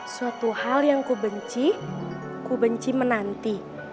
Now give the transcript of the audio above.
suatu hal yang ku benci ku benci menanti